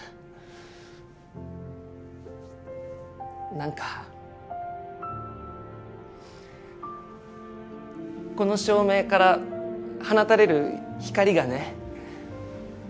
なんかこの照明から放たれる光がね